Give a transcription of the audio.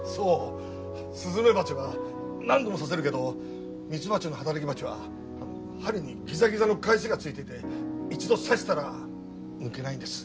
スズメバチは何度も刺せるけどミツバチの働き蜂は針にギザギザのかえしがついてて一度刺したら抜けないんです。